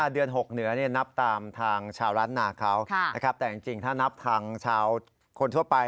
เดือน๖เหนือนับตามทางชาวล้านนาเขานะครับแต่จริงถ้านับทางชาวคนทั่วไป